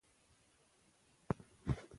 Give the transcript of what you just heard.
تخیل د ګلو څانګه ده.